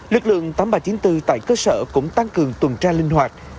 lực lượng tám nghìn ba trăm chín mươi bốn tại cơ sở cũng tăng cường tuần tra linh hoạt